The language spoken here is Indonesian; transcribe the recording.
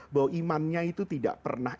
bahwa imannya itu tidak pernah